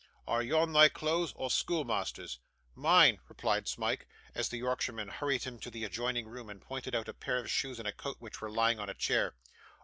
Are yon thy clothes, or schoolmeasther's?' 'Mine,' replied Smike, as the Yorkshireman hurried him to the adjoining room, and pointed out a pair of shoes and a coat which were lying on a chair.